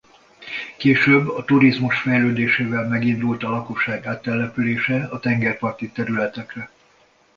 Később a turizmus fejlődésével megindult a lakosság áttelepülése a tengerparti területekre.